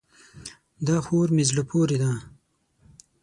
دا خور مې زړه پورې ده.